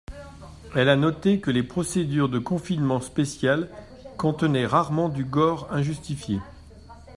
Elle a noté que les procédures de confinement spéciales contenaient rarement du gore injustifié.